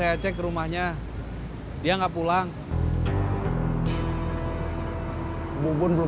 bajunya pakai yang mana